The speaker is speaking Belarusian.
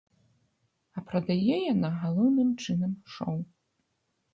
А прадае яна, галоўным чынам, шоў.